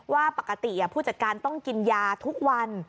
ว่าปกติผู้จัดการต้องกินยาทุกวัน